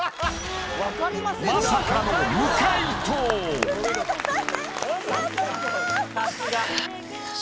まさかの無解答え